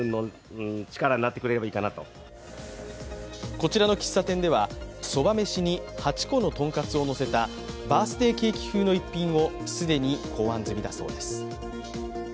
こちらの喫茶店ではそば飯に８個のトンカツをのせたバースデーケーキ風の１品を既に考案済みだそうです。